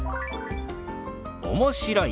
「面白い」。